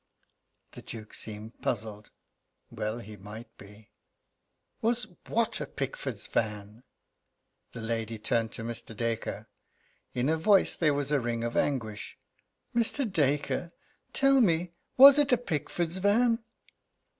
The Duke seemed puzzled. Well he might be: "Was what a Pickford's van?" The lady turned to Mr. Dacre. In her voice there was a ring of anguish: "Mr. Dacre, tell me, was it a Pickford's van?"